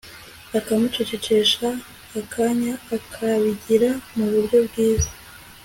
akamucecekesha akanya akabigira mu buryo bwiza